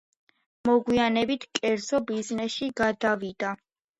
მოგვიანებით, კერძო ბიზნესში გადავიდა.